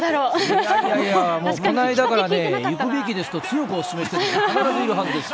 いやいやいや、もう、この間からね、行くべきですと、強くお勧めして、必ずいるはずですよ。